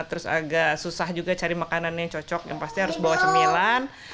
terus agak susah juga cari makanan yang cocok yang pasti harus bawa cemilan